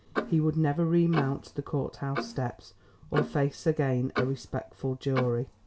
He would never remount the courthouse steps, or face again a respectful jury.